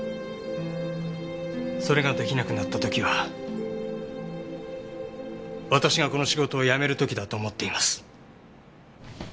それが出来なくなった時は私がこの仕事を辞める時だと思っています。